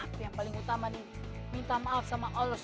aku yang paling utama nih minta maaf sama allah